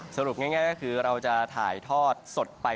สรุปง่ายก็คือเราจะถ่ายทอดสดไป